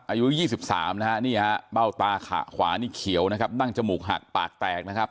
อายุ๒๓นะฮะนี่ฮะเบ้าตาขาขวานี่เขียวนะครับนั่งจมูกหักปากแตกนะครับ